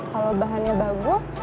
kalau bahannya bagus